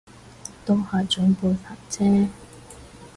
都係長輩煩啫